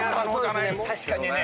確かにね。